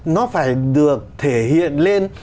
nó phải được thể hiện lên